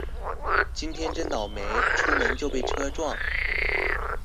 今天真倒楣，出門就被車撞